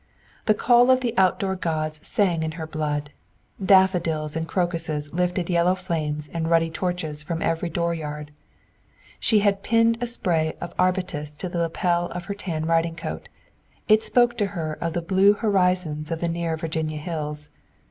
The call of the outdoor gods sang in her blood. Daffodils and crocuses lifted yellow flames and ruddy torches from every dooryard. She had pinned a spray of arbutus to the lapel of her tan riding coat; it spoke to her of the blue horizons of the near Virginia hills.